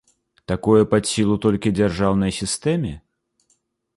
Такое пад сілу толькі дзяржаўнай сістэме?